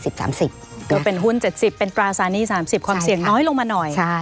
ก็เป็นหุ้น๗๐เป็นตราสารี๓๐ความเสี่ยงน้อยลงมาหน่อย